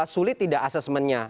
sulit tidak assessment nya